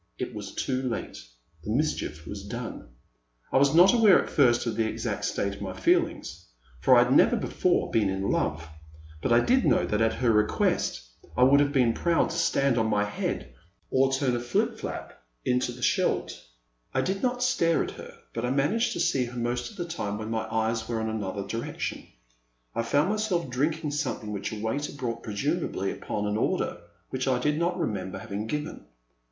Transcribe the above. It was too late; the mischief was done. I was not aware at first of the exact state of my feelings, — ^for I had never before been in love — ^but I did know that at her request I would have been proud to stand on my head, or turn a flip flap into the Scheldt. 358 The Man at the Next Table. I did not stare at her, but I managed to see her most of the time when her eyes were in another direction. I found myself drinking something which a waiter brought presumably upon an order which I did not remember having given.